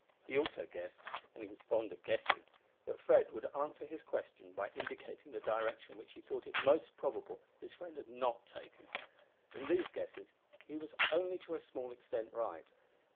He also guessed and he was fond of guessing that Fred would answer his question by indicating the direction which he thought it most probable his friend had not taken. In these guesses he was only to a small extent right.